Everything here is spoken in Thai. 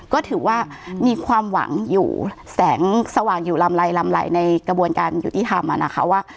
ก็ถือว่ามีความหวังอยู่แสงสว่างอยู่ลำไรลำไรในกระบวนการยุติธรรมนะคะว่า